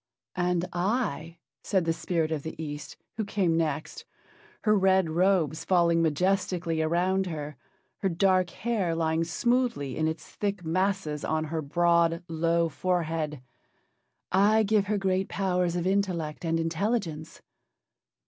"And I," said the spirit of the East, who came next, her red robes falling majestically around her, her dark hair lying smoothly in its thick masses on her broad, low forehead, "I give her great powers of intellect and intelligence."